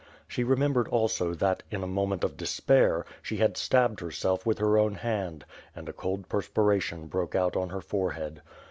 She remembered also that, in a moment of despair, she had stabbed herself with her own hand; and a cold perspiration broke out on her forehead.